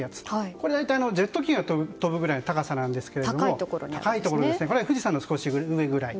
これがジェット気流が飛ぶくらいの高さなんですけどこれは富士山の少し上くらい。